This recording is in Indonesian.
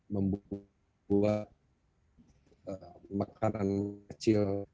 membuat makanan kecil